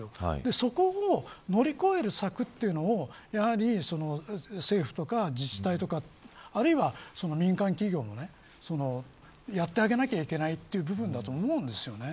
そこを乗り越える策というのを政府とか自治体とかあるいは民間企業もやってあげなきゃいけないという部分だと思うんです。